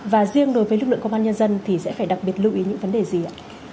và riêng đối với lực lượng công an nhân dân thì sẽ phải đặc biệt lưu ý những vấn đề gì ạ